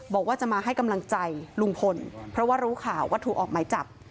บอกว่าจะมาให้กำลังใจลุงพลเพราะว่ารู้ข่าวว่าถูกออกหมายจับ